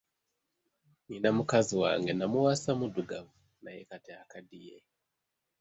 Nina mukazi wange namuwasa muddugavu naye kati akaddiye